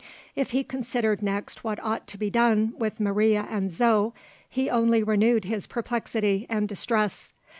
If he considered next what ought to be done with Maria and Zo, he only renewed his perplexity and distress.